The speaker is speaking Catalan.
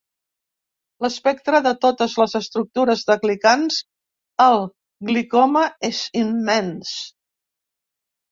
L'espectre de totes les estructures de glicans, el glicoma, és immens.